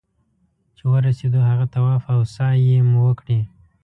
چې ورسېدو هغه طواف او سعيې مو وکړې.